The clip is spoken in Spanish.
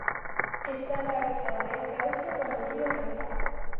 Está atravesado de este a oeste por el río Loira.